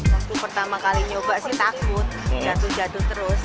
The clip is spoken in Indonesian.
waktu pertama kali nyoba sih takut jatuh jatuh terus